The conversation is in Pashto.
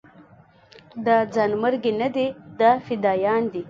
دا ځانمرګي نه دي دا فدايان دي.